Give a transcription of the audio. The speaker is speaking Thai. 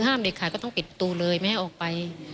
เด็กขาดก็ต้องปิดประตูเลยไม่ให้ออกไป